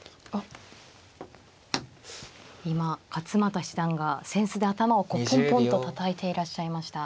今勝又七段が扇子で頭をポンポンとたたいていらっしゃいました。